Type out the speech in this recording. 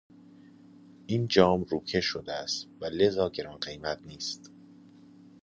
این جام روکش شده است و لذا گران قیمت نیست.